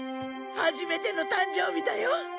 初めての誕生日だよ！